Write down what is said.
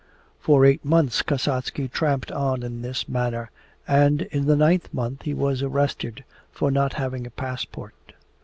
For eight months Kasatsky tramped on in this manner, and in the ninth month he was arrested for not having a passport.